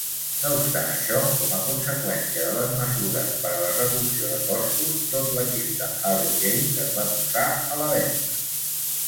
No obstant això, com a conseqüència de les mesures per a la reducció de costos, tot l'equip de Harrogate es va posar a la venda.